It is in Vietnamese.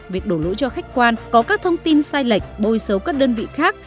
việc đổ lỗi cho khách quan có các thông tin sai lệch bôi xấu các đơn vị khác